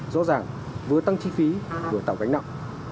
rõ ràng vừa tăng chi phí vừa tạo gánh nặng